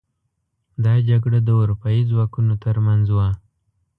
دا جګړه د اروپايي ځواکونو تر منځ وه.